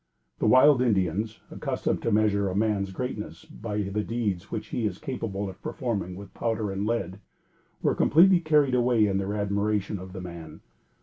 The wild Indians, accustomed to measure a man's greatness by the deeds which he is capable of performing with powder and lead, were completely carried away in their admiration of the man.